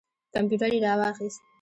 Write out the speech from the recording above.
کمپیوټر یې را واخیست.